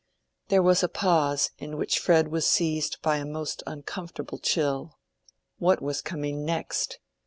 '" There was a pause, in which Fred was seized by a most uncomfortable chill. What was coming next?